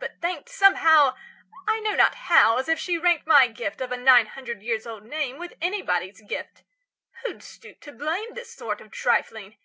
but thanked Somehow I know not how as if she ranked My gift of a nine hundred years old name With anybody's gift. Who'd stoop to blame This sort of trifling?